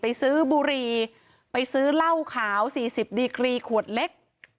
ซื้อบุรีไปซื้อเหล้าขาว๔๐ดีกรีขวดเล็ก